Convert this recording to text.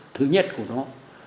thứ nhất của nó